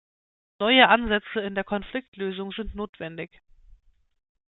Neue Ansätze in der Konfliktlösung sind notwendig.